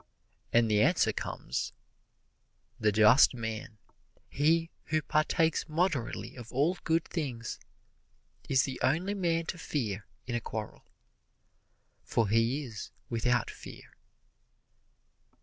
And the answer comes, "The just man, he who partakes moderately of all good things, is the only man to fear in a quarrel, for he is without fear."